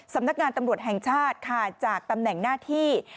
สำนักงานตำรวจแห่งชาติค่ะจากตำแหน่งหน้าที่